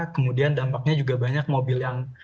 kemudian dampaknya juga banyak mobil yang